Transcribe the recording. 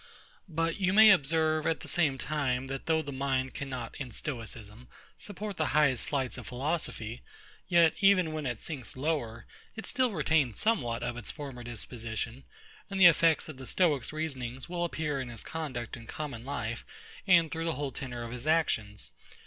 But you may observe, at the same time, that though the mind cannot, in Stoicism, support the highest flights of philosophy, yet, even when it sinks lower, it still retains somewhat of its former disposition; and the effects of the Stoic's reasoning will appear in his conduct in common life, and through the whole tenor of his actions.